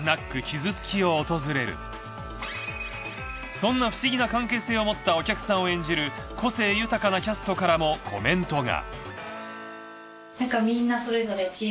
そんな不思議な関係性を持ったお客さんを演じる個性豊かなキャストからもコメントが。